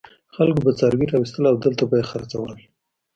خلکو به څاروي راوستل او دلته به یې خرڅول.